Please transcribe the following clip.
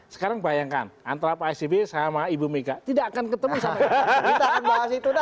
sekarang bayangkan antara pak s b sama ibu mika tidak akan ketemu sama ibu mika